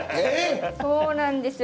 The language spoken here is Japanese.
そうなんですよ。